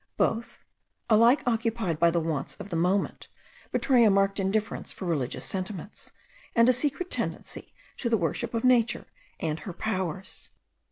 Both, alike occupied by the wants of the moment, betray a marked indifference for religious sentiments, and a secret tendency to the worship of nature and her powers.